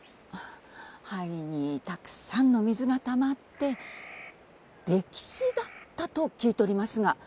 肺にたくさんの水がたまって溺死だったと聞いとりますが。